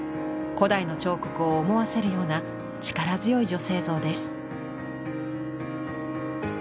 古代の彫刻を思わせるような力強い女性像です。